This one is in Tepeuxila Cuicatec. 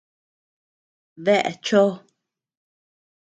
¿Dae cho?